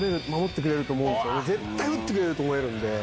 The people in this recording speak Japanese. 絶対打ってくれると思えるんで。